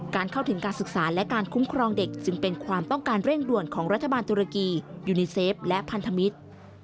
เข้าถึงการศึกษาและการคุ้มครองเด็กจึงเป็นความต้องการเร่งด่วนของรัฐบาลตุรกียูนิเซฟและพันธมิตร